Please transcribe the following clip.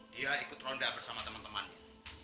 dia ikut ronda bersama teman temannya